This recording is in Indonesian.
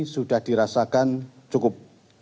sudah dirasakan cukup